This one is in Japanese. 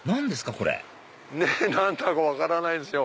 これ何だか分からないですよ。